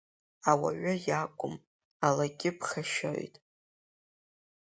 Ауаҩы иакәым, алагьы ԥхашьоит.